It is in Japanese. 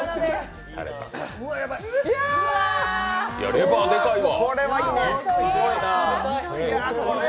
レバーでかいわ！